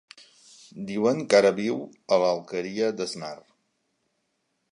Diuen que ara viu a l'Alqueria d'Asnar.